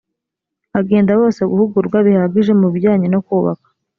bagenda bose guhugurwa bihagije mu bijyanye nokubaka